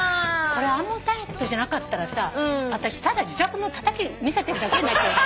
これアンモナイトじゃなかったらさあたしただ自宅のたたき見せてるだけになっちゃう。